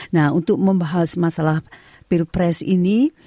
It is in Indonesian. nah untuk membahas masalah pilpres ini